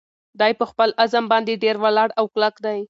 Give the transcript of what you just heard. دی په خپل عزم باندې ډېر ولاړ او کلک دی.